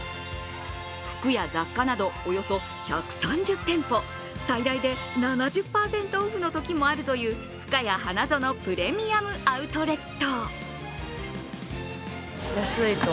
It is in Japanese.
服や雑貨など、およそ１３０店舗、最大で７０％オフのときもあるというふかや花園プレミアム・アウトレット。